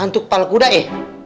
untuk pala kuda ya